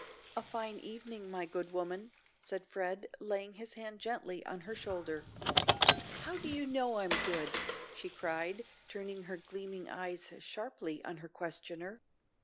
"A fine evening, my good woman," said Fred, laying his hand gently on her shoulder. "How do ye know I'm good?" she cried, turning her gleaming eyes sharply on her questioner.